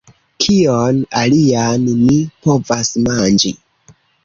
Kion alian mi povas manĝi?